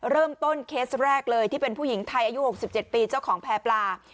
เริ่มต้นเคสแรกเลยที่เป็นผู้หญิงไทยอายุ๖๗ปีเจ้าของแพร่ปลา